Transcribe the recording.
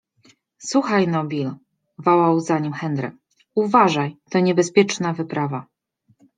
- Słuchaj no, Bill! - wołał za nim Henry. - Uważaj! To niebezpieczna wyprawa!